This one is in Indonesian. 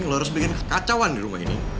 kalau harus bikin kekacauan di rumah ini